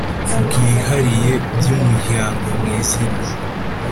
bwihariye by umuryango mu izina